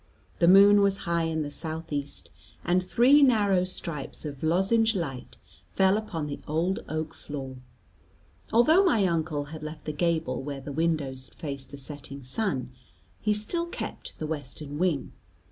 The moon was high in the south east, and three narrow stripes of lozenged light fell upon the old oak floor. Although my uncle had left the gable where the windows faced the setting sun, he still kept to the western wing.